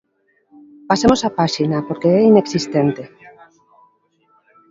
Pasemos a páxina porque é inexistente.